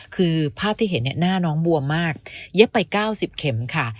คือภาพที่เห็นเนี้ยหน้าน้องบัวมากเยอะไปเก้าสิบเข็มค่ะ